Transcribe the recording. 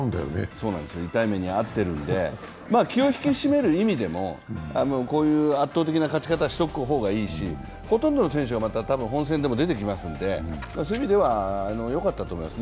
そうなんですよ、痛い目に遭っているので気を引き締める意味でも、こういう圧倒的な勝ち方をしておく方がいいし、ほとんどの選手が多分、本戦でも出てきますので、そういう意味ではよかったと思います。